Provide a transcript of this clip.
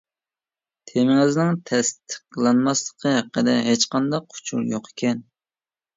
تېمىڭىزنىڭ تەستىقلانماسلىقى ھەققىدە ھېچقانداق ئۇچۇر يوق ئىكەن.